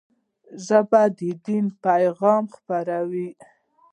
ژبه د دین پيغام خپروي